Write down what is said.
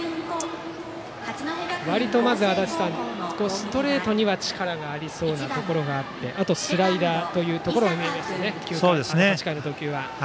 割と、まずストレートには力がありそうなところがありあとはスライダーというところ８回の投球は。